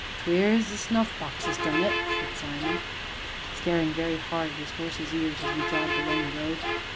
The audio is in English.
"'Twere 'is snuff box as done it!" said Simon, staring very hard at his horse's ears, as we jogged along the road.